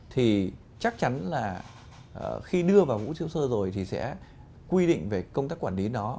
thì chắc chắn là khi đưa vào vũ hữu sơ rồi thì sẽ quy định về công tác quản lý nó